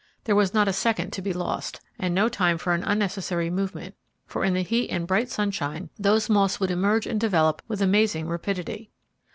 There was not a second to be lost, and no time for an unnecessary movement; for in the heat and bright sunshine those moths would emerge and develop with amazing rapidity.